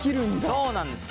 そうなんです。